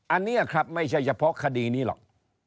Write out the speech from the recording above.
อันนี้ครับไม่ใช่เฉพาะคดีนี้หรอก